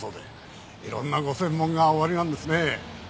色んなご専門がおありなんですね。